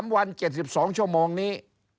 ๓วัน๗๒ชั่วโมงนี้